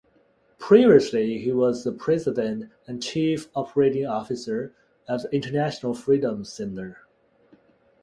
Previously, he was the president and chief operating officer of the International Freedom Center.